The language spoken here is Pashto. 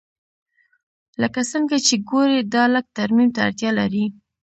لکه څنګه چې ګورې دا لږ ترمیم ته اړتیا لري